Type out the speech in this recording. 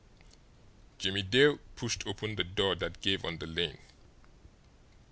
Jimmie Dale pushed open the door that gave on the lane.